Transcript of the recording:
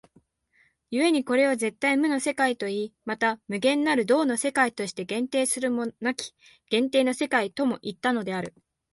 故にこれを絶対無の世界といい、また無限なる動の世界として限定するものなき限定の世界ともいったのである。